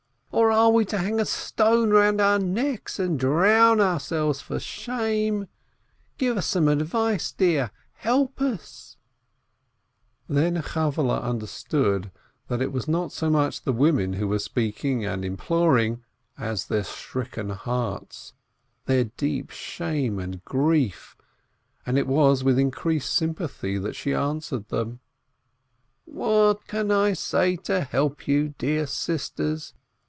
Or are we to hang a stone round our necks and drown ourselves for shame ? Give us some advice, dear, help us !" Then Chavvehle understood that it was not so much the women who were speaking and imploring, as their stricken hearts, their deep shame and grief, and it was with increased sympathy that she answered them: "What can I say to help you, dear sisters?